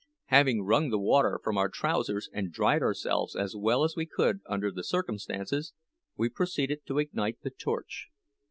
Having wrung the water from our trousers, and dried ourselves as well as we could under the circumstances, we proceeded to ignite the torch.